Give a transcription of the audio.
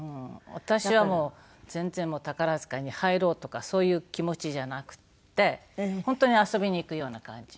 私はもう全然宝塚に入ろうとかそういう気持ちじゃなくて本当に遊びに行くような感じ。